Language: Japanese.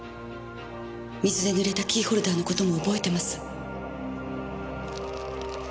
水でぬれたキーホルダーの事も覚えてます。